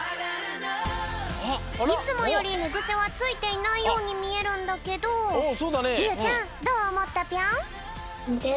いつもよりねぐせはついていないようにみえるんだけどみゆちゃんどうおもったぴょん？